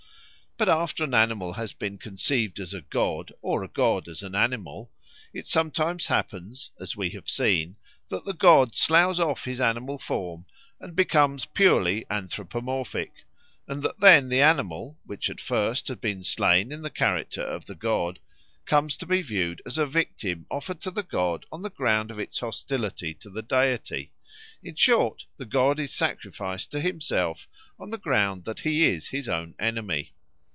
But after an animal has been conceived as a god, or a god as an animal, it sometimes happens, as we have seen, that the god sloughs off his animal form and becomes purely anthropomorphic; and that then the animal, which at first had been slain in the character of the god, comes to be viewed as a victim offered to the god on the ground of its hostility to the deity; in short, the god is sacrificed to himself on the ground that he is his own enemy.